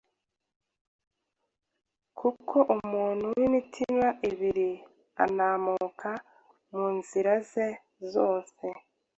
kuko umuntu w’imitima ibiri anamuka mu nzira ze zose.